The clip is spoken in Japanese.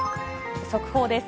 速報です。